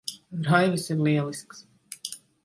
Raivis ir lielisks.